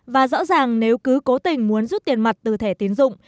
và rõ ràng nếu cứ cố tình muốn rút tiền mặt từ thẻ tiến dụng